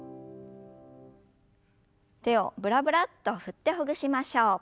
手をブラブラッと振ってほぐしましょう。